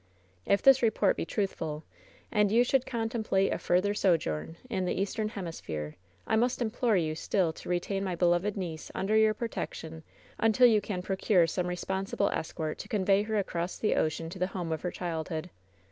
"If this report be truthful, and you should contem plate a further sojourn in the Eastern hemisphere, I must implore you still to retain my beloved niece under your protection until you can procure some responsible escort to convey her across the ocean to the home of her child hood.